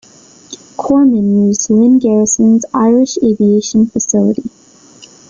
Corman used Lynn Garrison's Irish aviation facility.